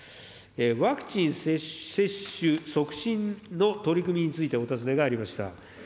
ワクチン接種促進の取り組みについてお尋ねがありました。